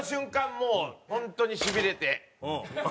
もう本当にしびれて。